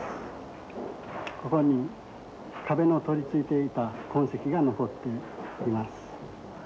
ここに壁の取り付いていた痕跡が残っています。